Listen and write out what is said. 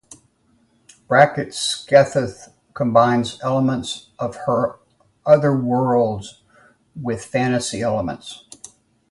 Brackett's Skaith combines elements of her other worlds with fantasy elements.